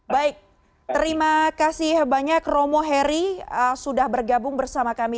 baik terima kasih banyak romo heri sudah bergabung bersama kami